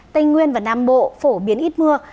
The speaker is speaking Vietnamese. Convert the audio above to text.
tây nguyên và nam bộ phổ biến ít mưa